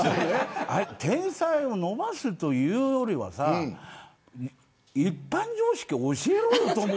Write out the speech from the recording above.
天才を伸ばすというよりはさ一般常識を教えろよと思う。